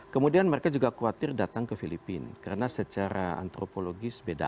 kemudian mereka juga khawatir datang ke filipina karena secara antropologis beda